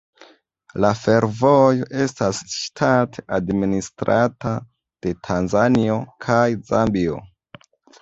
La fervojo estas ŝtate administrata de Tanzanio kaj Zambio.